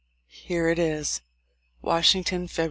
Here it is : "Washington, Feb.